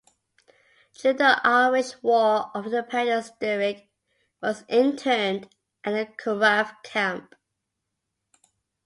During the Irish War of Independence Derrig was interned at the Curragh Camp.